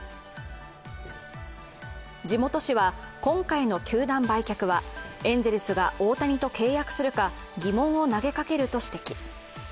地元紙は今回の球団売却はエンゼルスが大谷と契約するか疑問を投げかけると指摘。